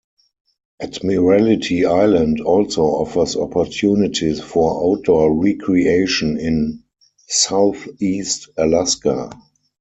Admiralty Island also offers opportunities for outdoor recreation in Southeast Alaska.